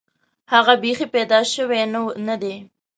هغه بیخي پیدا شوی نه دی.